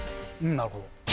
なるほど。